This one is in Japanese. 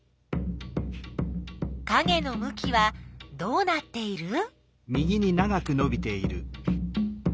かげのむきはどうなっている？